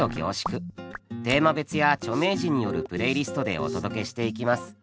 テーマ別や著名人によるプレイリストでお届けしていきます。